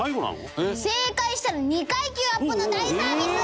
正解したら２階級アップの大サービス！